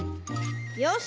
よし！